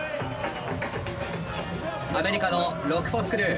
アメリカのロック・フォース・クルー。